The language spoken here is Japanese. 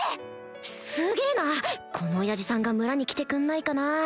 すげぇなこのオヤジさんが村に来てくんないかな